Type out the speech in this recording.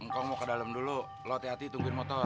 engkong mau ke dalam dulu lo hati hati tungguin motor